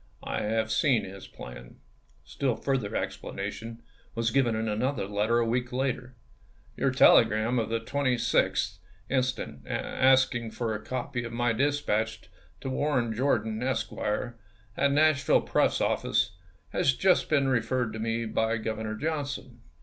I have seen his plan." Still farther explanation was given in another letter a week later :" Your telegram of the 26th instant, asking for a copy of my dispatch to Warren Jor dan, Esq., at ' Nashville Press ' office, has just been referred to me by Governor Johnson.